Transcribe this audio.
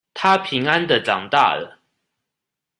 她平安的長大了